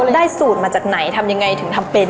แล้วได้สูตรมาจากไหนทำยังไงถึงทำเป็น